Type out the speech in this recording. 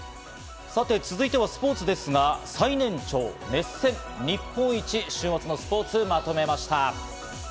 続いてはスポーツですが、最年長、熱戦、日本一、週末のスポーツをまとめました。